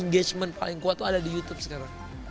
engagement paling kuat itu ada di youtube sekarang